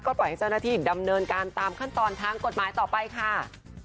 ปล่อยให้เจ้าหน้าที่ดำเนินการตามขั้นตอนทางกฎหมายต่อไปค่ะ